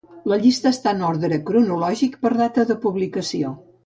La llista està en ordre cronològic per data de publicació.